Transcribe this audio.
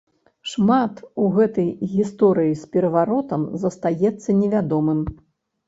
Шмат у гэтай гісторыі з пераваротам застаецца невядомым.